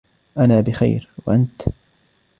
أنا بخير و أنت؟